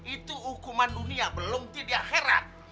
itu hukuman dunia belum tidak heran